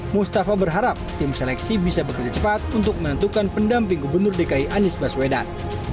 mustafa berharap tim seleksi bisa bekerja cepat untuk menentukan pendamping gubernur dki anies baswedan